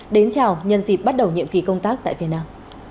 đến chào nhân dịp bắt đầu nhiệm kỳ công tác tại việt nam